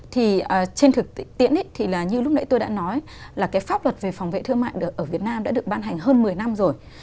thì trên thực tiễn thì là như lúc nãy tôi đã nói là cái pháp luật về phòng vệ thương mại ở việt nam đã được ban hành hơn một mươi năm rồi